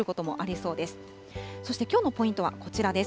そしてきょうのポイントはこちらです。